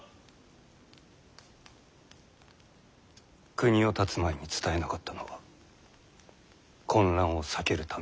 国をたつ前に伝えなかったのは混乱を避けるためである。